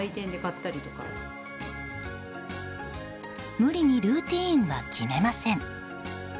無理にルーティンは決めません。